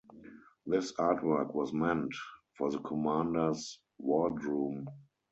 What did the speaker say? This artwork was meant for the commander's wardroom.